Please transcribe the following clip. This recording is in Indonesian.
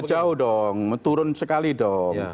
jauh dong turun sekali dong